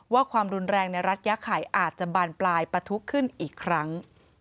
ความรุนแรงในรัฐยาไข่อาจจะบานปลายประทุขึ้นอีกครั้ง